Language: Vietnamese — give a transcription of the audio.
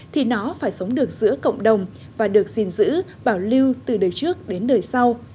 thì nó phải sống được giữa cộng đồng và được gìn giữ bảo lưu từ đời trước đến đời sau